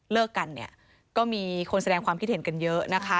กันเนี่ยก็มีคนแสดงความคิดเห็นกันเยอะนะคะ